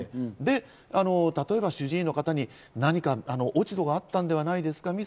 で、例えば主治医の方に何か落ち度があったんではないですか？